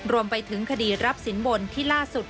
รวมไปถึงคดีรับสินบนที่ล่าสุด